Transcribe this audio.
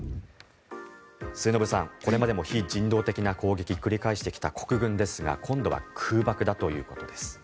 末延さん、これまでも非人道的攻撃を繰り返してきた国軍ですが今度は空爆だということです。